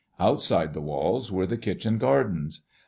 Outside the walls were die kitchen gardens.